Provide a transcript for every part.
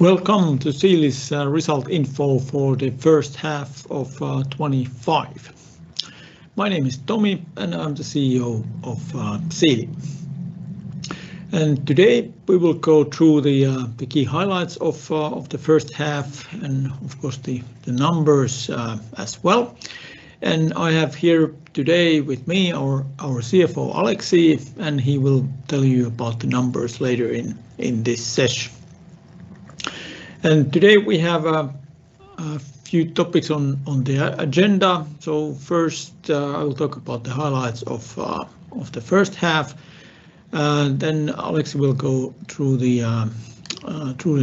Welcome to Siili Solutions' result info for the first half of 2025. My name is Tomi, and I'm the CEO of Siili. Today, we will go through the key highlights of the first half and, of course, the numbers as well. I have here today with me our CFO, Aleksi, and he will tell you about the numbers later in this session. Today, we have a few topics on the agenda. First, I will talk about the highlights of the first half. Aleksi will go through the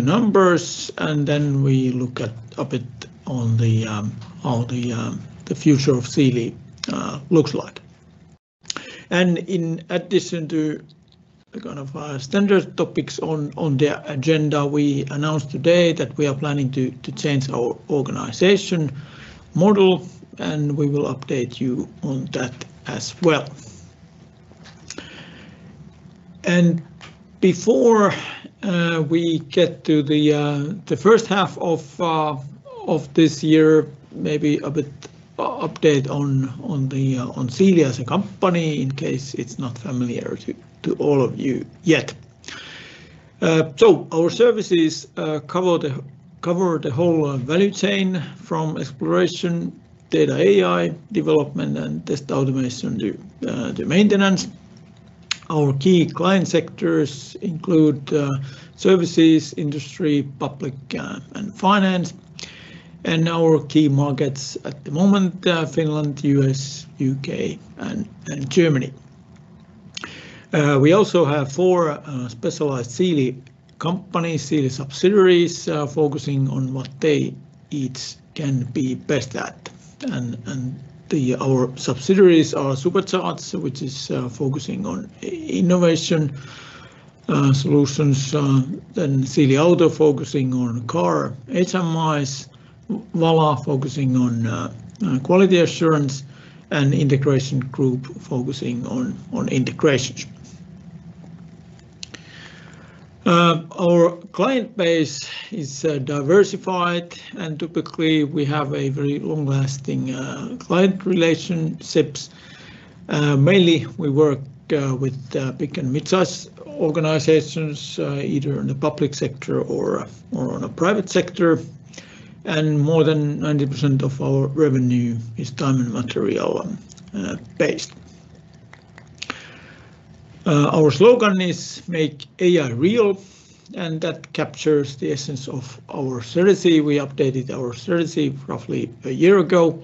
numbers, and we look at a bit on how the future of Siili looks like. In addition to the kind of standard topics on the agenda, we announced today that we are planning to change our organization model, and we will update you on that as well. Before we get to the first half of this year, maybe a bit update on Siili as a company in case it's not familiar to all of you yet. Our services cover the whole value chain from exploration, data and AI development, and test automation to maintenance. Our key client sectors include services, industry, public, and finance. Our key markets at the moment: Finland, U.S., U.K., and Germany. We also have four specialized Siili company, Siili subsidiaries, focusing on what they each can be best at. Our subsidiaries are Supercharge, which is focusing on innovation solutions, then Siili Auto focusing on car HMIs, Vala focusing on quality assurance, and Integrations Group focusing on integration services. Our client base is diversified, and typically, we have very long-lasting client relationships. Mainly, we work with big and mid-sized organizations, either in the public sector or in the private sector. More than 90% of our revenue is time and material based. Our slogan is "Make AI real," and that captures the essence of our strategy. We updated our strategy roughly a year ago,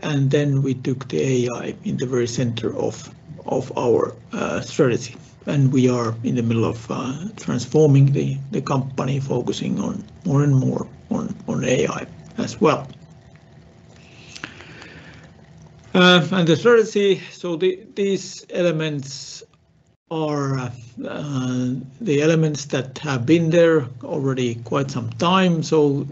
and then we took the AI in the very center of our strategy. We are in the middle of transforming the company, focusing more and more on AI as well. The strategy, so these elements are the elements that have been there already quite some time, so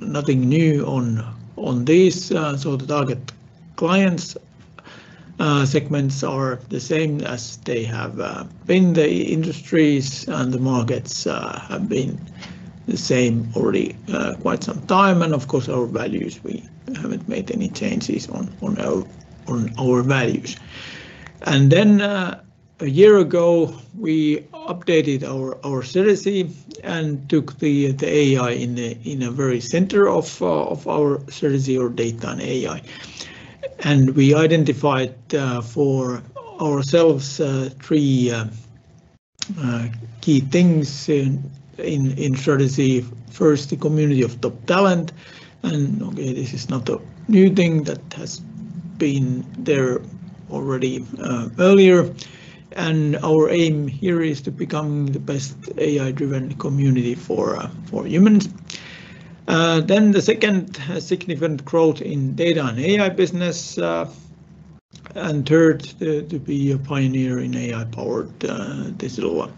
nothing new on these. The target client segments are the same as they have been. The industries and the markets have been the same already quite some time. Our values, we haven't made any changes on our values. A year ago, we updated our strategy and took the AI in the very center of our strategy, our data and AI. We identified for ourselves three key things in strategy. First, the community of top talent. This is not a new thing that has been there already earlier. Our aim here is to become the best AI-driven community for humans. The second, significant growth in data and AI business. Third, to be a pioneer in AI-powered digital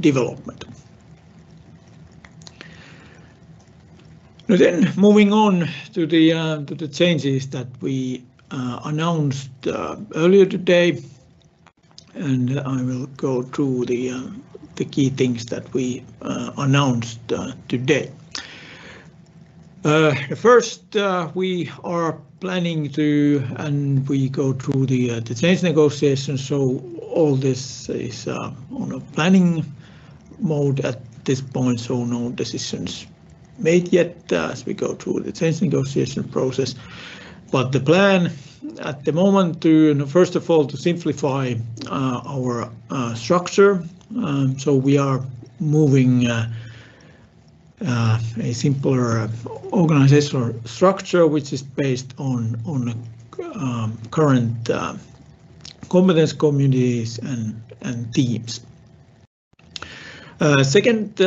development. Moving on to the changes that we announced earlier today, I will go through the key things that we announced today. First, we are planning to go through the change negotiations. All this is on a planning mode at this point. No decisions made yet as we go through the change negotiation process. The plan at the moment is to, first of all, simplify our structure. We are moving to a simpler organizational structure, which is based on current competence communities and teams. Second,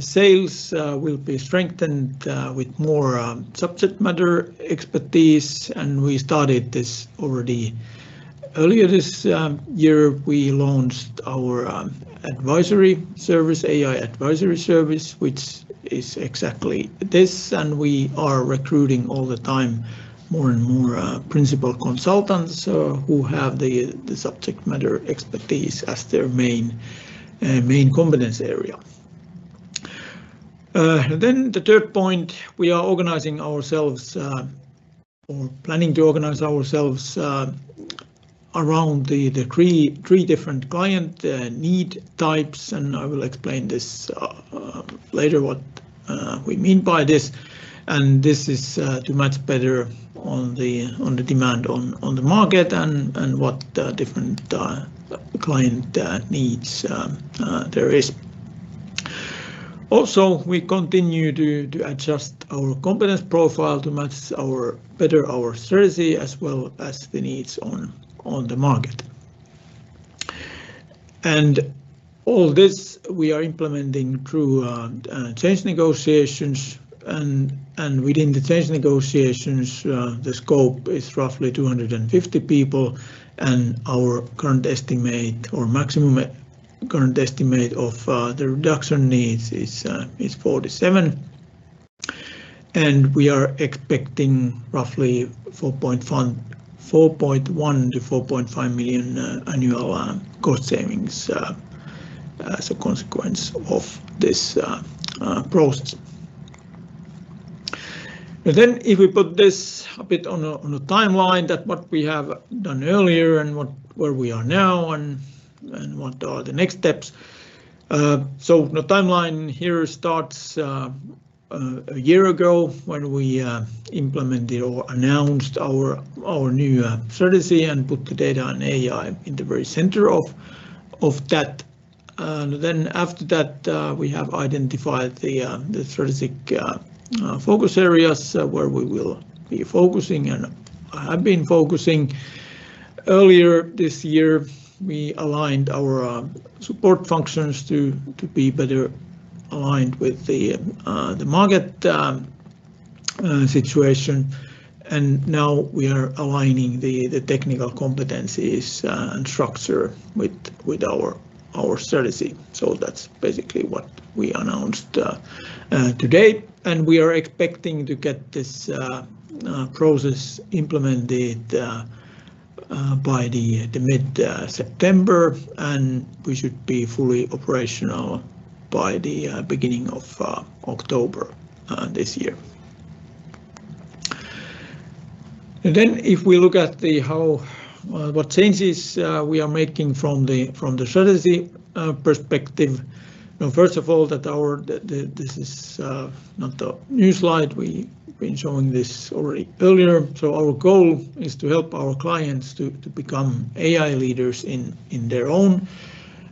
sales will be strengthened with more subject matter expertise. We started this already earlier this year. We launched our AI advisory service, which is exactly this. We are recruiting all the time more and more principal consultants who have the subject matter expertise as their main competence area. The third point, we are organizing ourselves or planning to organize ourselves around the three different client need types. I will explain this later, what we mean by this. This is to match better on the demand on the market and what different client needs there is. We continue to adjust our competence profile to match better our strategy as well as the needs on the market. All this, we are implementing through change negotiations. Within the change negotiations, the scope is roughly 250 people. Our current estimate or maximum current estimate of the reduction needs is 47. We are expecting roughly €4.1 million-€4.5 million annual cost savings as a consequence of this process. If we put this a bit on a timeline, that's what we have done earlier and where we are now and what are the next steps. The timeline here starts a year ago when we implemented or announced our new strategy and put the data and AI in the very center of that. After that, we have identified the strategic focus areas where we will be focusing and have been focusing. Earlier this year, we aligned our support functions to be better aligned with the market situation. Now we are aligning the technical competencies and structure with our strategy. That's basically what we announced today. We are expecting to get this process implemented by mid-September. We should be fully operational by the beginning of October this year. If we look at what changes we are making from the strategy perspective, first of all, this is not a new slide. We've been showing this already earlier. Our goal is to help our clients to become AI leaders in their own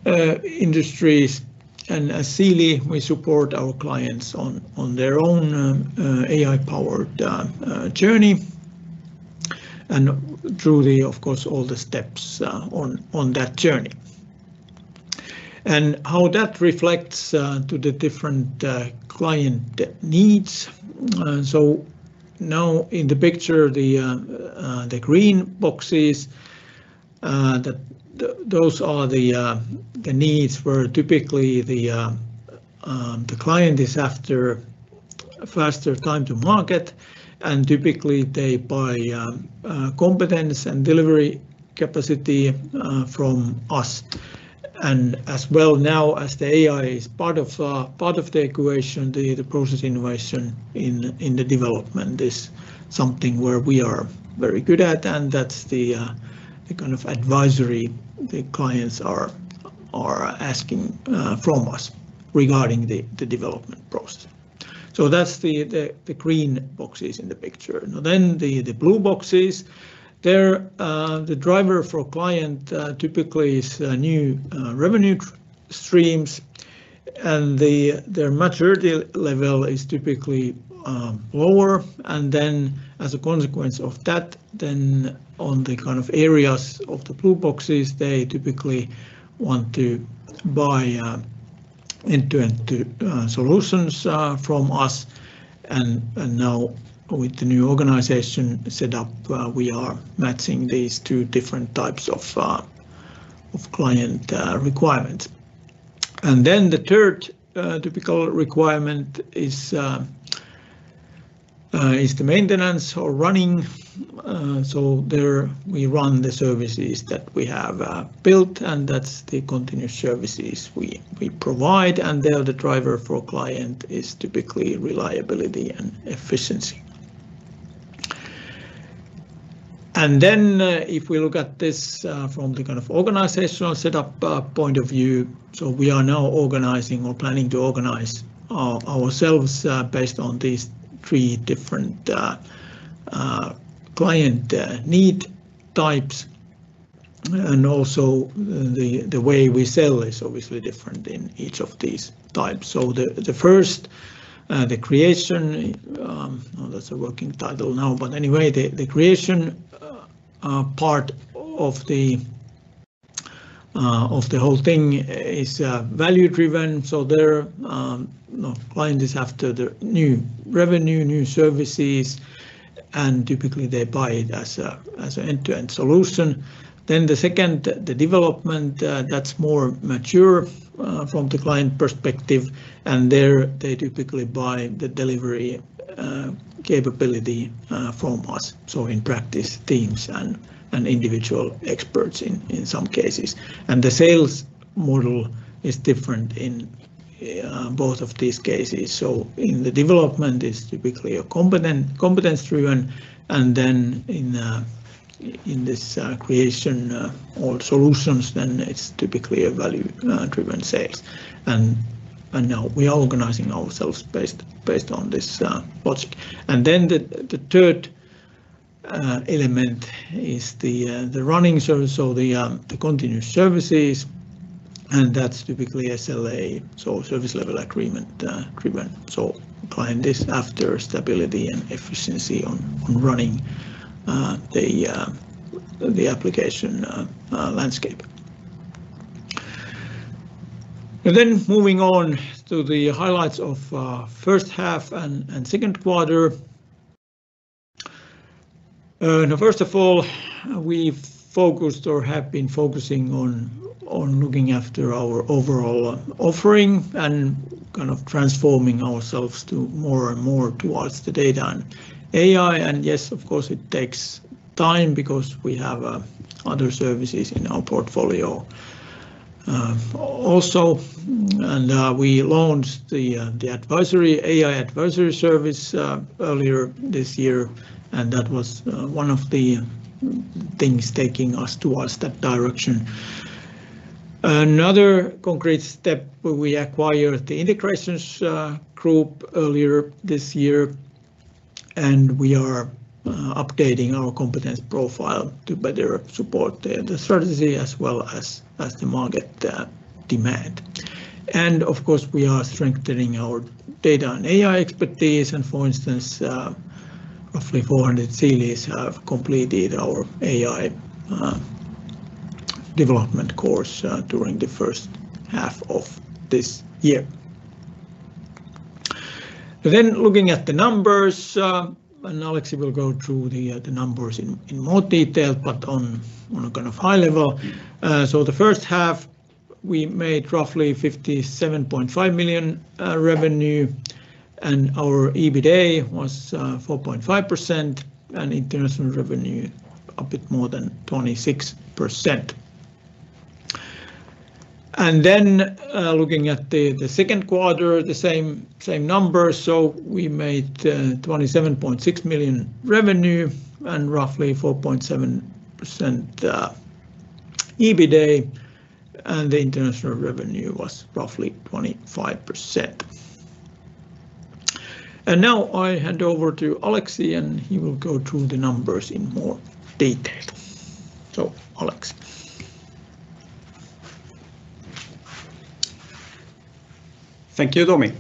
industries. As Siili, we support our clients on their own AI-powered journey through all the steps on that journey and how that reflects to the different client needs. In the picture, the green boxes are the needs where typically the client is after a faster time to market. Typically, they buy competence and delivery capacity from us. As the AI is part of the equation, the process innovation in the development is something where we are very good. That's the kind of advisory the clients are asking from us regarding the development process. That's the green boxes in the picture. The blue boxes, the driver for client typically is new revenue streams, and their maturity level is typically lower. As a consequence of that, on the areas of the blue boxes, they typically want to buy end-to-end solutions from us. With the new organization set up, we are matching these two different types of client requirements. The third typical requirement is the maintenance or running. There, we run the services that we have built, and that's the continuous services we provide. There, the driver for client is typically reliability and efficiency. If we look at this from the organizational setup point of view, we are now organizing or planning to organize ourselves based on these three different client need types. Also, the way we sell is obviously different in each of these types. The first, the creation, that's a working title now. The creation part of the whole thing is value-driven. There, client is after the new revenue, new services, and typically, they buy it as an end-to-end solution. The second, the development, that's more mature from the client perspective. There, they typically buy the delivery capability from us. In practice, teams and individual experts in some cases. The sales model is different in both of these cases. In the development, it's typically a competence-driven. In this creation or solutions, it's typically a value-driven sales. We are organizing ourselves based on this logic. The third element is the running service, the continuous services. That's typically SLA, service level agreement-driven. The client is after stability and efficiency on running the application landscape. Moving on to the highlights of the first half and second quarter. First of all, we focused or have been focusing on looking after our overall offering and kind of transforming ourselves more and more towards the data and AI. Yes, of course, it takes time because we have other services in our portfolio. We launched the AI advisory service earlier this year, and that was one of the things taking us towards that direction. Another concrete step, we acquired the Integrations Group earlier this year, and we are updating our competence profile to better support the strategy as well as the market demand. We are strengthening our data and AI expertise. For instance, roughly 400 Siilis have completed our AI development course during the first half of this year. Looking at the numbers, and Aleksi will go through the numbers in more detail, but on a high level, the first half, we made roughly €57.5 million revenue, and our EBITDA was 4.5% and international revenue a bit more than 26%. Looking at the second quarter, the same numbers, we made €27.6 million revenue and roughly 4.7% EBITDA, and the international revenue was roughly 25%. I hand over to Aleksi, and he will go through the numbers in more detail. Aleksi. Thank you, Tomi.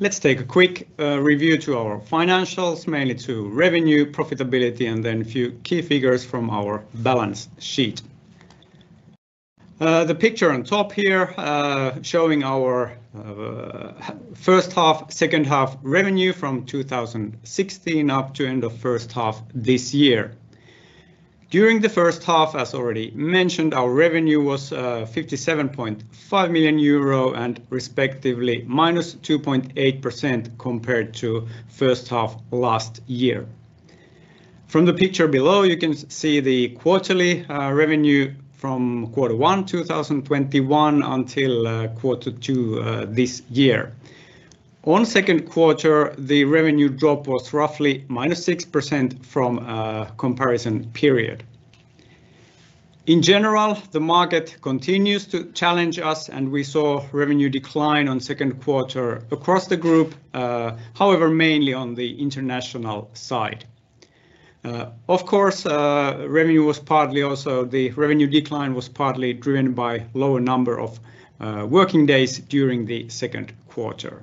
Let's take a quick review to our financials, mainly to revenue, profitability, and then a few key figures from our balance sheet. The picture on top here is showing our first half, second half revenue from 2016 up to the end of the first half this year. During the first half, as already mentioned, our revenue was €57.5 million and respectively -2.8% compared to the first half last year. From the picture below, you can see the quarterly revenue from quarter one, 2021, until quarter two this year. On the second quarter, the revenue drop was roughly minus 6% from the comparison period. In general, the market continues to challenge us, and we saw revenue decline on the second quarter across the group, however, mainly on the international side. Of course, revenue was partly also the revenue decline was partly driven by a lower number of working days during the second quarter.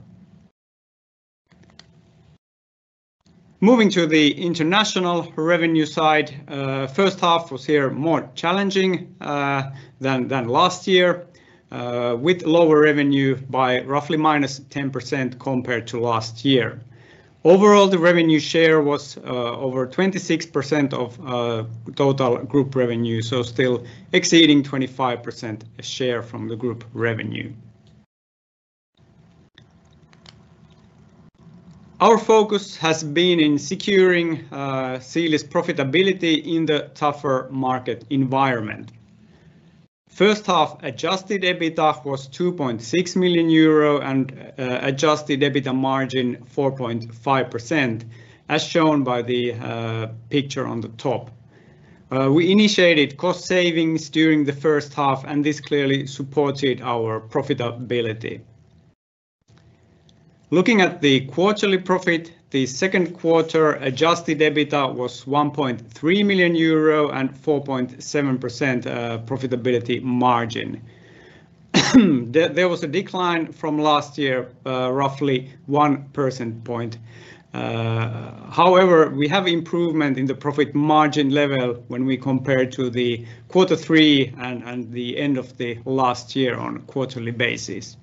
Moving to the international revenue side, the first half was here more challenging than last year, with lower revenue by roughly -10% compared to last year. Overall, the revenue share was over 26% of the total group revenue, so still exceeding 25% share from the group revenue. Our focus has been in securing Siili's profitability in the tougher market environment. The first half adjusted EBITDA was €2.6 million and adjusted EBITDA margin 4.5%, as shown by the picture on the top. We initiated cost savings during the first half, and this clearly supported our profitability. Looking at the quarterly profit, the second quarter adjusted EBITDA was €1.3 million and 4.7% profitability margin. There was a decline from last year, roughly 1% point. However, we have improvement in the profit margin level when we compare to the quarter three and the end of the last year on a quarterly basis.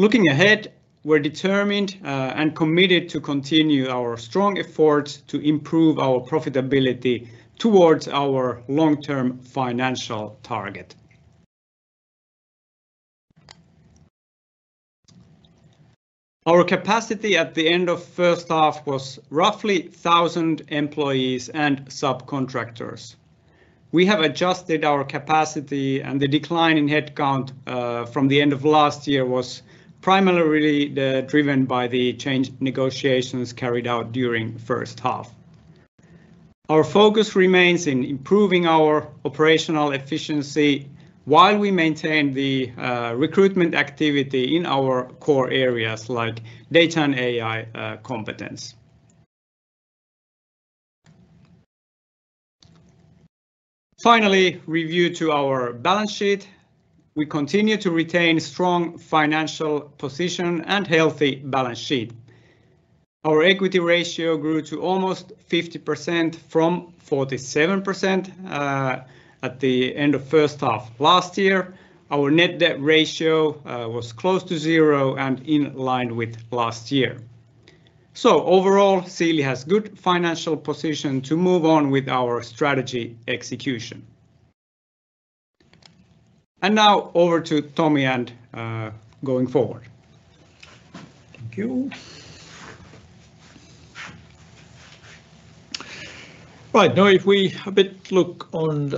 Looking ahead, we're determined and committed to continue our strong efforts to improve our profitability towards our long-term financial target. Our capacity at the end of the first half was roughly 1,000 employees and subcontractors. We have adjusted our capacity, and the declining headcount from the end of last year was primarily driven by the change negotiations carried out during the first half. Our focus remains in improving our operational efficiency while we maintain the recruitment activity in our core areas like data and AI competence. Finally, a review to our balance sheet. We continue to retain a strong financial position and a healthy balance sheet. Our equity ratio grew to almost 50% from 47% at the end of the first half last year. Our net debt ratio was close to zero and in line with last year. Overall, Siili has a good financial position to move on with our strategy execution. Now, over to Tomi and going forward. Thank you. All right. Now, if we have a bit look on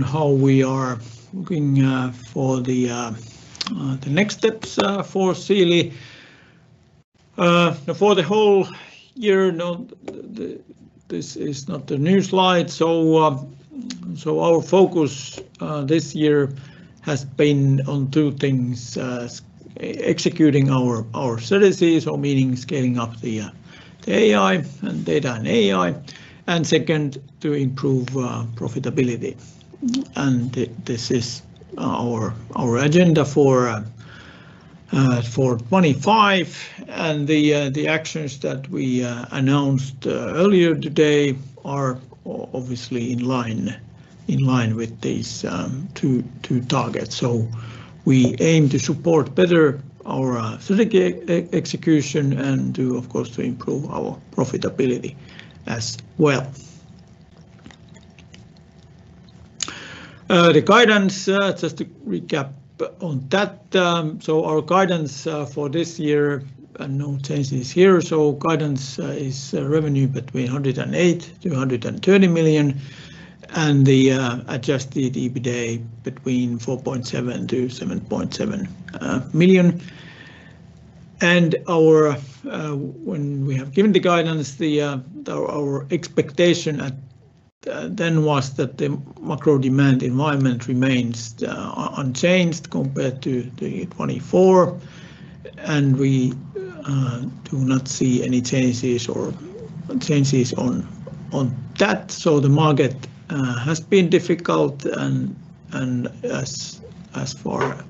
how we are looking for the next steps for Siili. For the whole year, this is not a new slide. Our focus this year has been on two things: executing our strategy, meaning scaling up the AI and data and AI, and second, to improve profitability. This is our agenda for 2025. The actions that we announced earlier today are obviously in line with these two targets. We aim to support better our strategic execution and, of course, improve our profitability as well. The guidance, just to recap on that. Our guidance for this year, no changes here. Guidance is revenue between €108 million-€120 million and the adjusted EBITDA between €4.7 million-€7.7 million. When we have given the guidance, our expectation then was that the macro demand environment remains unchanged compared to 2024. We do not see any changes on that. The market has been difficult. As far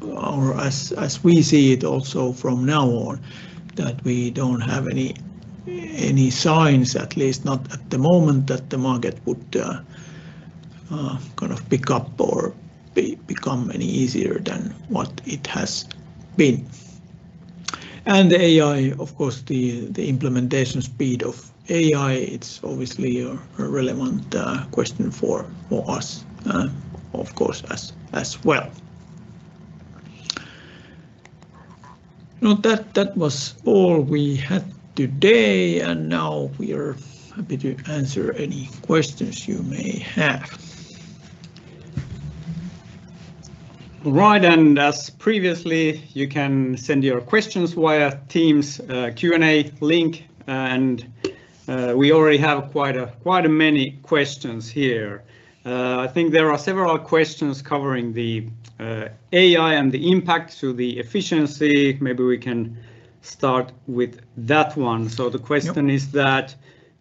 as we see it also from now on, we do not have any signs, at least not at the moment, that the market would pick up or become any easier than what it has been. The AI, of course, the implementation speed of AI, it's obviously a relevant question for us, of course, as well. That was all we had today. We are happy to answer any questions you may have. All right. As previously, you can send your questions via Teams Q&A link. We already have quite a quite many questions here. I think there are several questions covering the AI and the impact to the efficiency. Maybe we can start with that one. The question is that,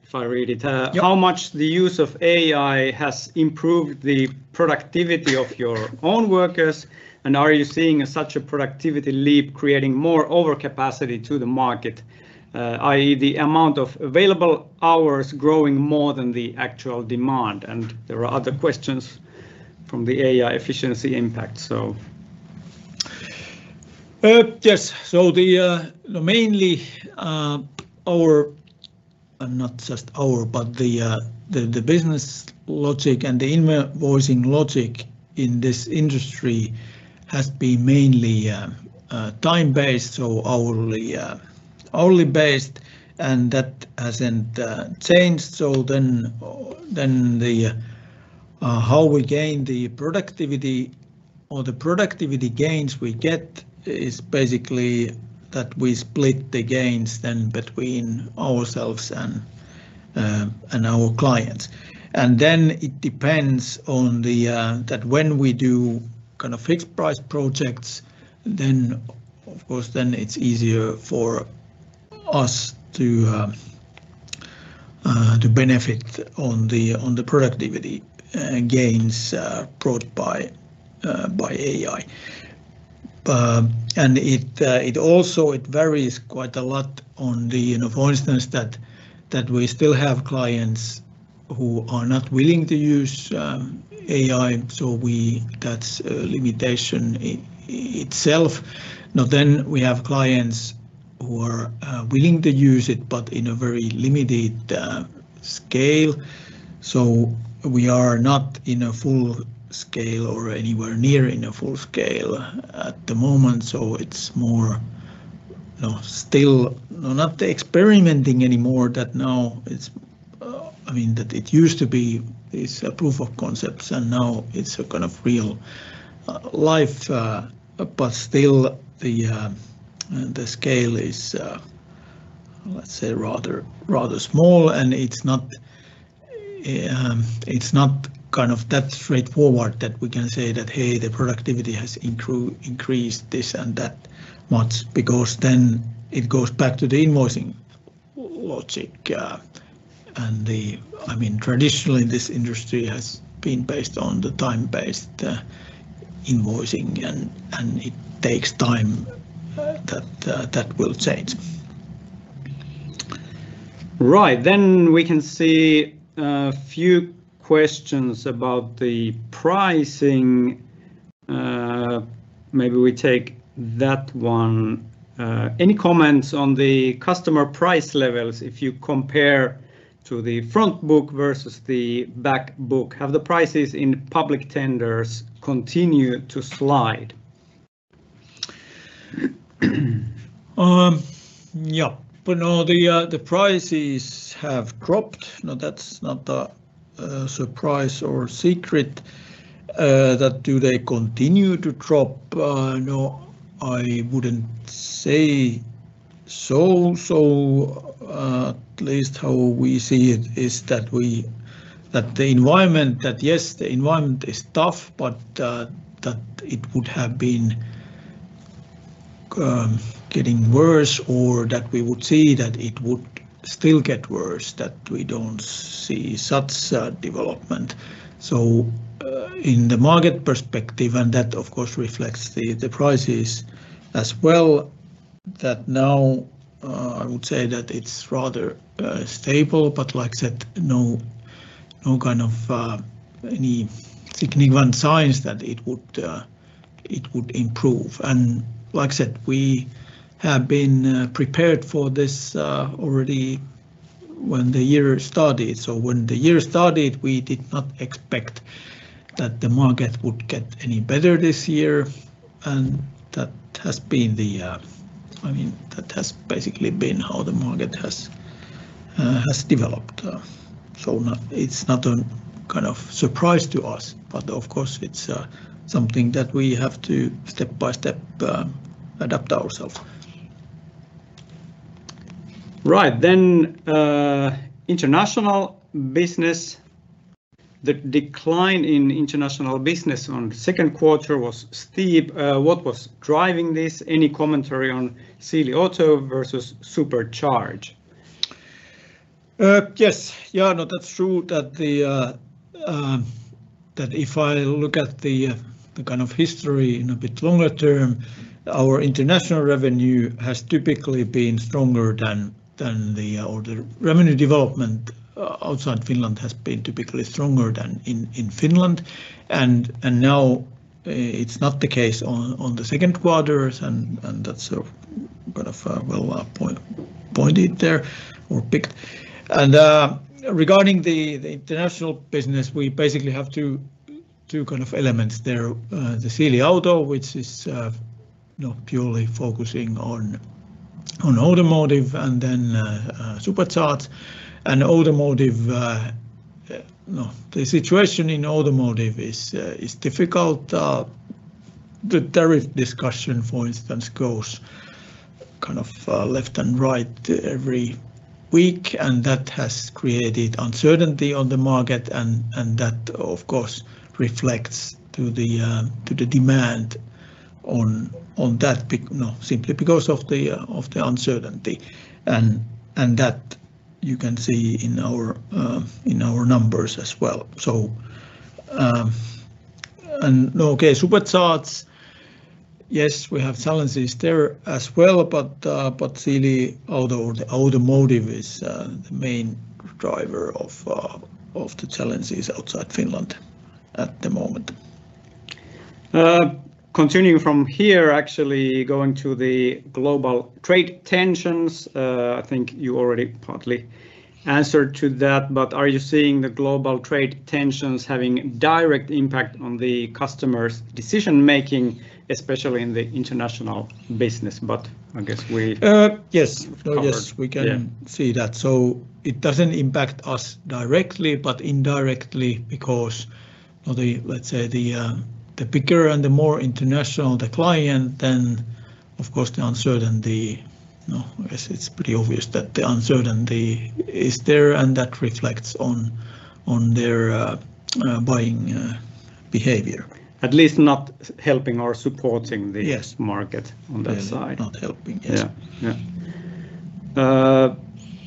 if I read it, how much the use of AI has improved the productivity of your own workers? Are you seeing such a productivity leap creating more overcapacity to the market, i.e., the amount of available hours growing more than the actual demand? There are other questions from the AI efficiency impact, too. Yes. Mainly our, and not just our, but the business logic and the invoicing logic in this industry has been mainly time-based, so hourly based. That hasn't changed. How we gain the productivity or the productivity gains we get is basically that we split the gains between ourselves and our clients. It depends on that when we do kind of fixed price projects, of course, then it's easier for us to benefit on the productivity gains brought by AI. It also varies quite a lot, for instance, that we still have clients who are not willing to use AI. That's a limitation itself. We have clients who are willing to use it, but in a very limited scale. We are not in a full scale or anywhere near in a full scale at the moment. It's more still not experimenting anymore that now it's, I mean, that it used to be a proof of concepts and now it's a kind of real life. Still, the scale is, let's say, rather small. It's not kind of that straightforward that we can say that, hey, the productivity has increased this and that much because then it goes back to the invoicing logic. Traditionally, this industry has been based on the time-based invoicing, and it takes time that will change. Right. We can see a few questions about the pricing. Maybe we take that one. Any comments on the customer price levels if you compare to the front book versus the back book? Have the prices in public tenders continued to slide? Yeah. Now the prices have dropped. That's not a surprise or secret. Do they continue to drop? No, I wouldn't say so. At least how we see it is that the environment, yes, the environment is tough, but that it would have been getting worse or that we would see that it would still get worse, we don't see such development. In the market perspective, and that, of course, reflects the prices as well, now I would say that it's rather stable. Like I said, no kind of any significant signs that it would improve. Like I said, we have been prepared for this already when the year started. When the year started, we did not expect that the market would get any better this year. That has basically been how the market has developed. It's not a kind of surprise to us. Of course, it's something that we have to step by step adapt ourselves. Right. The decline in international business in the second quarter was steep. What was driving this? Any commentary on Siili Auto versus Supercharge? Yes. No, that's true that if I look at the kind of history in a bit longer term, our international revenue has typically been stronger than the revenue development outside Finland has been typically stronger than in Finland. Now, it's not the case in the second quarter. That's sort of kind of a well-pointed or picked. Regarding the international business, we basically have two kind of elements there, the Siili Auto, which is purely focusing on automotive, and then Supercharge. In automotive, the situation is difficult. The tariff discussion, for instance, goes kind of left and right every week. That has created uncertainty on the market. That, of course, reflects to the demand on that simply because of the uncertainty. You can see that in our numbers as well. Supercharge, yes, we have challenges there as well. Siili Auto, the automotive is the main driver of the challenges outside Finland at the moment. Continuing from here, actually going to the global trade tensions. I think you already partly answered to that. Are you seeing the global trade tensions having a direct impact on the customer's decision-making, especially in the international business? I guess we. Yes. Of course, we can see that. It doesn't impact us directly, but indirectly because, let's say, the bigger and the more international the client, then, of course, the uncertainty, I guess it's pretty obvious that the uncertainty is there. That reflects on their buying behavior. At least not helping or supporting the market on that side. Not helping,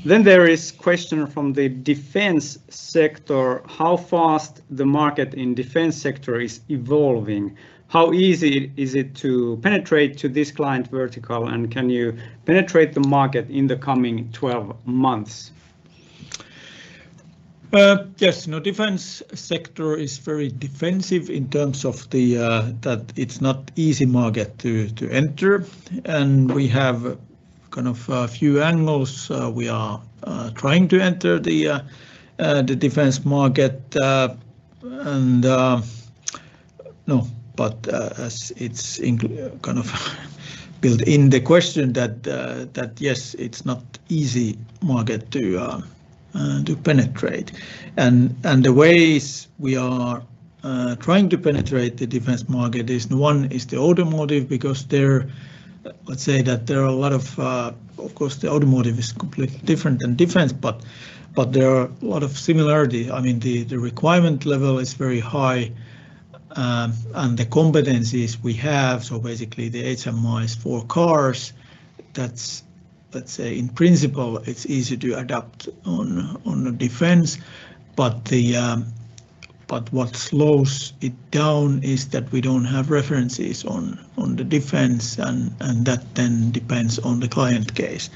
yes. There is a question from the defense sector. How fast the market in the defense sector is evolving? How easy is it to penetrate to this client vertical? Can you penetrate the market in the coming 12 months? Yes. Now, the defense sector is very defensive in terms of that it's not an easy market to enter. We have kind of a few angles. We are trying to enter the defense market. It's not an easy market to penetrate. The ways we are trying to penetrate the defense market is, one, is the automotive because there, let's say that there are a lot of, of course, the automotive is completely different than defense, but there are a lot of similarities. I mean, the requirement level is very high and the competencies we have. Basically, the human-machine interfaces for cars, that's, let's say, in principle, it's easy to adapt on the defense. What slows it down is that we don't have references on the defense. That then depends on the client case,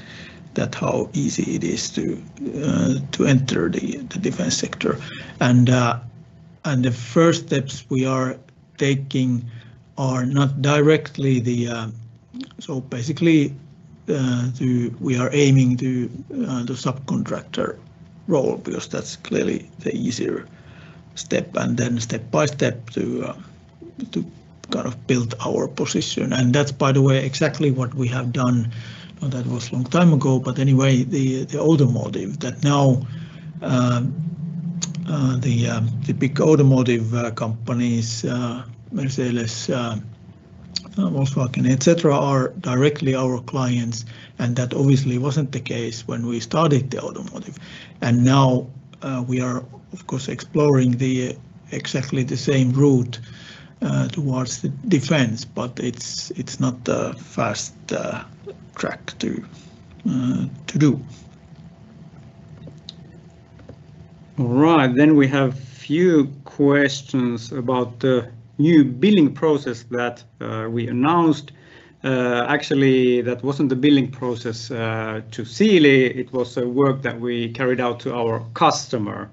that how easy it is to enter the defense sector. The first steps we are taking are not directly the, so basically, we are aiming to the subcontractor role because that's clearly the easier step. Step by step to kind of build our position. That's, by the way, exactly what we have done. That was a long time ago. Anyway, the automotive, that now the big automotive companies, Mercedes, Volkswagen, etc., are directly our clients. That obviously wasn't the case when we started the automotive. Now, we are, of course, exploring exactly the same route towards the defense, but it's not a fast track to do. All right. We have a few questions about the new billing process that we announced. Actually, that wasn't the billing process to Siili. It was the work that we carried out to our customer.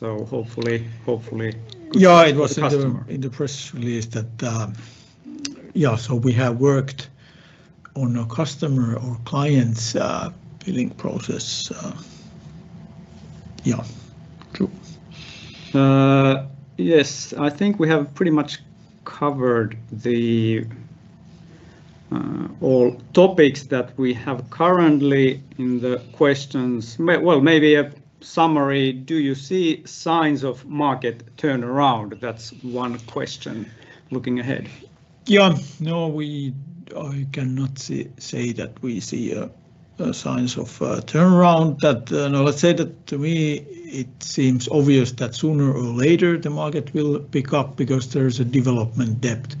Hopefully, hopefully. It was in the press release that we have worked on a customer or client's billing process. Yes. I think we have pretty much covered all topics that we have currently in the questions. Maybe a summary. Do you see signs of market turnaround? That's one question looking ahead. No, I cannot say that we see signs of turnaround. To me, it seems obvious that sooner or later, the market will pick up because there is a development depth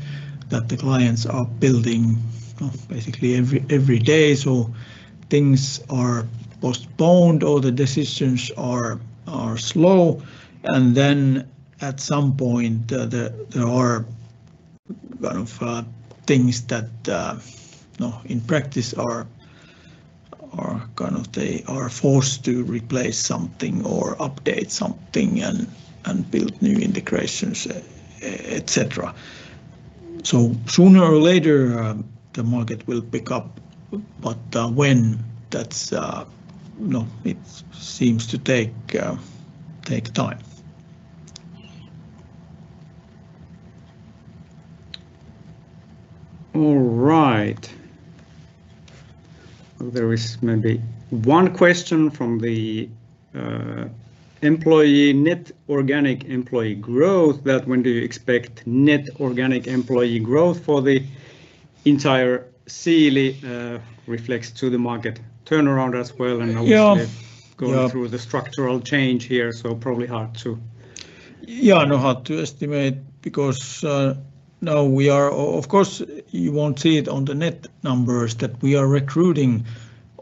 that the clients are building basically every day. Things are postponed or the decisions are slow. At some point, there are things that in practice are kind of they are forced to replace something or update something and build new integrations, etc. So sooner or later, the market will pick up. When that's, no, it seems to take time. All right. There is maybe one question from the employee net organic employee growth. When do you expect net organic employee growth for the entire Siili reflects to the market turnaround as well? I'm going through the structural change here, so probably hard to. Yeah. No, hard to estimate because now we are, of course, you won't see it on the net numbers that we are recruiting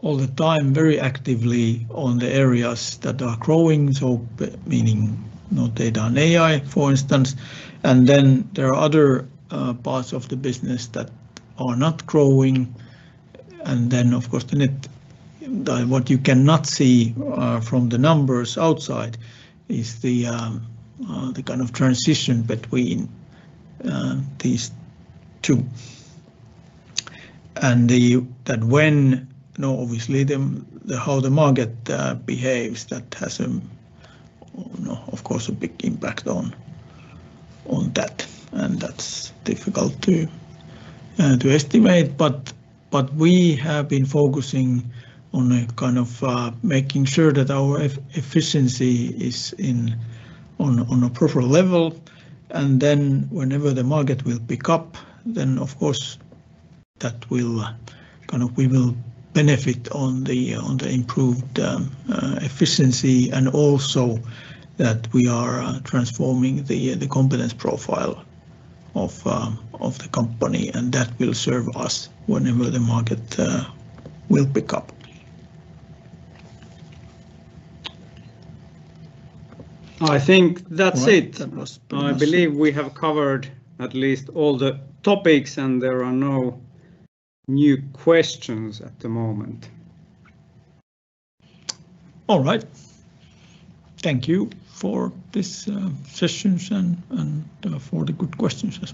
all the time very actively on the areas that are growing, so meaning not data and AI, for instance. There are other parts of the business that are not growing. Of course, the net what you cannot see from the numbers outside is the kind of transition between these two. Obviously, how the market behaves, that has a, of course, a big impact on that. That's difficult to estimate. We have been focusing on kind of making sure that our efficiency is on a proper level. Whenever the market will pick up, then, of course, that will kind of we will benefit on the improved efficiency and also that we are transforming the competence profile of the company. That will serve us whenever the market will pick up. I think that's it. I believe we have covered at least all the topics, and there are no new questions at the moment. All right. Thank you for this session and for the good questions you have.